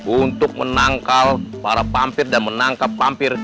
untuk menangkal para vampir dan menangkap vampir